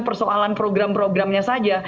persoalan program programnya saja